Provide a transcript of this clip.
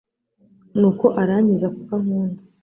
nuko arankiza kuko ankunda